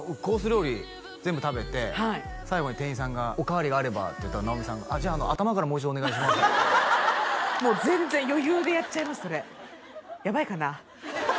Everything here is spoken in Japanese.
料理全部食べて最後に店員さんが「お代わりがあれば」って言ったら直美さんが「じゃあ頭からもう一度お願いします」ってもう全然余裕でやっちゃいますそれやばいかな？